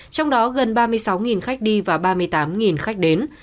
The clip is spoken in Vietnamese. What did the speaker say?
trong đó gần ba mươi sáu khách đi và ba mươi tám khách đến